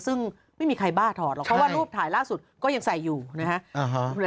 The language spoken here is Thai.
ซึ่งไม่มีใครบ้าถอดหรอกครับเพราะว่ารูปถ่ายล่าสุดก็ยังใส่อยู่นะฮะ